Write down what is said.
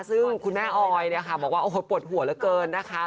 ซึ่งคุณแม่ออยเนี่ยค่ะบอกว่าโอ้โหปวดหัวเหลือเกินนะคะ